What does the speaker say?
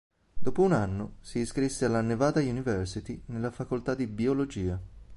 Dopo un anno si iscrisse alla Nevada University nella facoltà di biologia.